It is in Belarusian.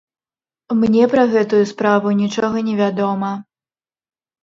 Мне пра гэтую справу нічога не вядома.